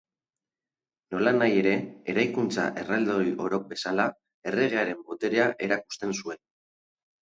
Nolanahi ere, eraikuntza erraldoi orok bezala, erregearen boterea erakusten zuen.